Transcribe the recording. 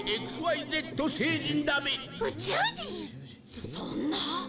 そ、そんな。